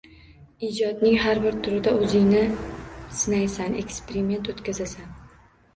— Ijodning har bir turida o‘zingni sinaysan, eksperiment o‘tkazasan.